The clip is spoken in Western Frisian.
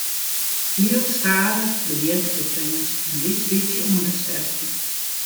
Heel stadich begjint de prins in lyts bytsje oan te sterkjen.